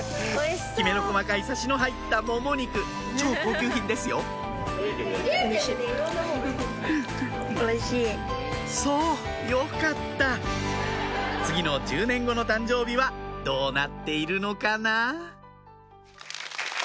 きめの細かいサシの入ったもも肉超高級品ですよそうよかった次の１０年後の誕生日はどうなっているのかな？